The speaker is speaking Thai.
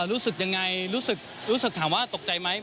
รู้สึกยังไงรู้สึกถามว่าตกใจไหม